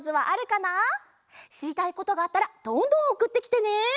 しりたいことがあったらどんどんおくってきてね！